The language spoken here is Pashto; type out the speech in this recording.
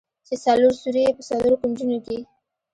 چې څلور سوري يې په څلورو کونجونو کښې.